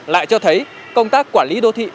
lại cho thấy công tác quản lý đô thị